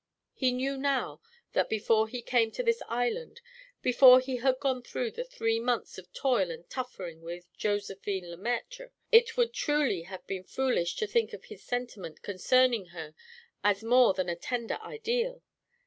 He knew now that before he came to this island, before he had gone through the three months of toil and suffering with Josephine Le Maître, it would truly have been foolish to think of his sentiment concerning her as more than a tender ideal.